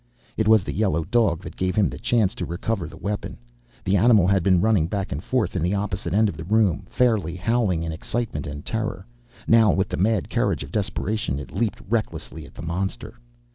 It was the yellow dog that gave him the chance to recover the weapon. The animal had been running back and forth in the opposite end of the room, fairly howling in excitement and terror. Now, with the mad courage of desperation, it leaped recklessly at the monster.